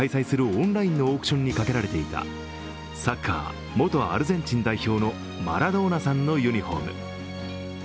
オンラインのオークションにかけられていたサッカー元アルゼンチン代表のマラドーナさんのユニフォーム。